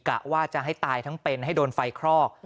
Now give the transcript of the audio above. กะว่าจะให้ตายทั้งเป็นให้โดนไฟคลอก